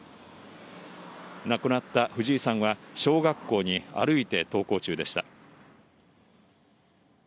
亡くなった藤井さんは、小学校に歩いて登校中でした。